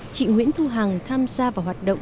chị nguyễn thu hằng tham gia vào hoạt động